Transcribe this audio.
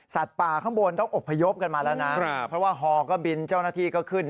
ป่าข้างบนต้องอบพยพกันมาแล้วนะเพราะว่าฮอก็บินเจ้าหน้าที่ก็ขึ้น